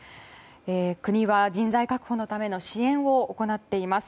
国は人材確保のための支援を行っています。